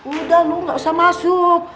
udah lu gak usah masuk